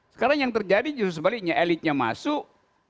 sekarang yang terjadi justru sebaliknya elitnya masuk